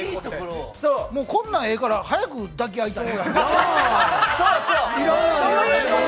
こんなんええから早く抱き合いたい。